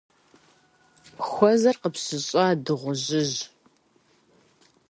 - Хуэзэр къыпщыщӏа, дыгъужьыжь!